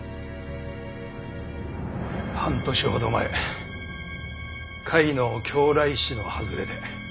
半年ほど前甲斐の教来石の外れで。